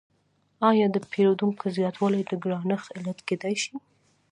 آیا د پیرودونکو زیاتوالی د ګرانښت علت کیدای شي؟